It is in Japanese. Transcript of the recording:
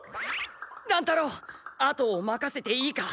乱太郎あとをまかせていいか？